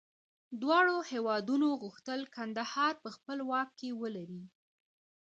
دواړو هېوادونو غوښتل کندهار په خپل واک کې ولري.